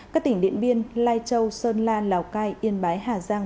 các tỉnh điện biên lai châu sơn la lào cai yên bái hà giang